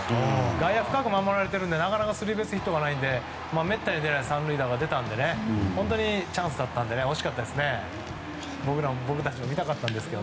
外野を深く守られているのでなかなかスリーベースヒットが出ないのでめったに出ない３塁打が出たので本当にチャンスだったので惜しかったですね。